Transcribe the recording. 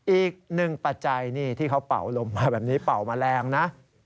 อีกหนึ่งปัจจัยนี่ที่เขาเป่าลมมาแบบนี้เป่ามาแรงนะ